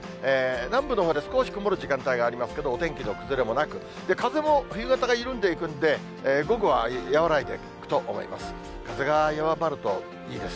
南部のほうで少し曇る時間帯がありますけど、お天気の崩れもなく、風も冬型が緩んでいくんで、午後は和らいでいくと思います。